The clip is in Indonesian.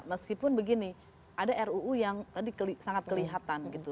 meskipun begini ada ruu yang tadi sangat kelihatan gitu